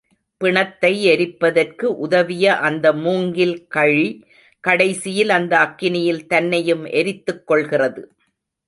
பிணத்தை எரிப்பதற்கு உதவிய அந்த மூங்கில் கழி கடைசியில் அந்த அக்கினியில் தன்னையும் எரித்துக் கொள்கிறது.